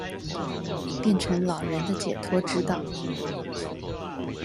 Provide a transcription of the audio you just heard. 變成老人的解脫之道